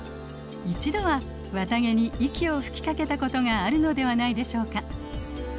一度は綿毛に息を吹きかけたことがあるのではないでしょうか。